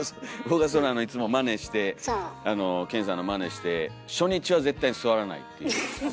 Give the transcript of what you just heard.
僕はいつもまねして健さんのまねして初日は絶対座らないっていう。